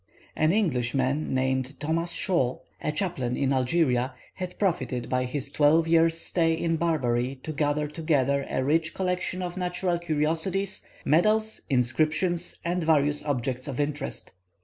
An Englishman named Thomas Shaw, a chaplain in Algeria, had profited by his twelve years' stay in Barbary to gather together a rich collection of natural curiosities, medals, inscriptions, and various objects of interest.